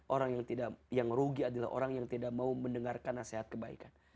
orang yang rugi adalah orang yang tidak mau mendengarkan nasihat kebaikan